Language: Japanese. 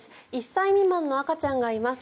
１歳未満の赤ちゃんがいます。